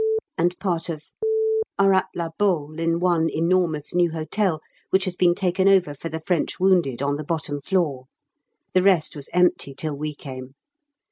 and part of are at La Baule in one enormous new hotel, which has been taken over for the French wounded on the bottom floor; the rest was empty till we came.